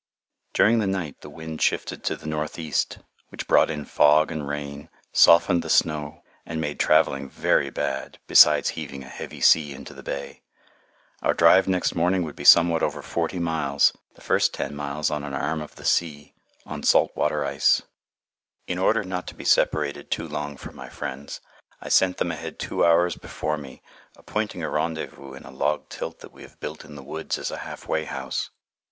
During the night the wind shifted to the northeast, which brought in fog and rain, softened the snow, and made travelling very bad, besides heaving a heavy sea into the bay. Our drive next morning would be somewhat over forty miles, the first ten miles on an arm of the sea, on salt water ice. [Illustration: ON A JOURNEY] In order not to be separated too long from my friends, I sent them ahead two hours before me, appointing a rendezvous in a log tilt that we have built in the woods as a halfway house.